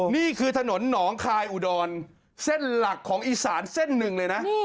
นี่คือถนนหนองคายอุดรเส้นหลักของอีสานเส้นหนึ่งเลยนะ